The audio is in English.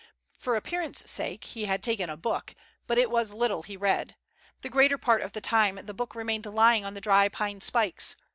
For appearance's sake he had taken a book, but* it was little he read; the greater part of the time the book remained lying on the dry pine spikes.